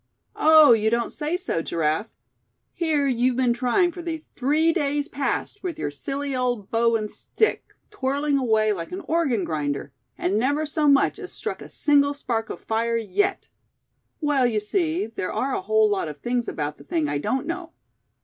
"Oh! you don't say so, Giraffe? Here you've been trying for these three days past, with your silly old bow and stick, twirling away like an organ grinder; and never so much as struck a single spark of fire yet." "Well, you see, there are a whole lot of things about the thing I don't know."